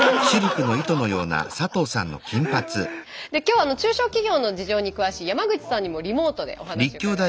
今日は中小企業の事情に詳しい山口さんにもリモートでお話伺います。